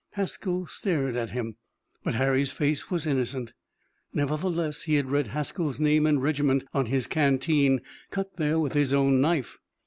Haskell stared at him, but Harry's face was innocent. Nevertheless he had read Haskell's name and regiment on his canteen, cut there with his own knife.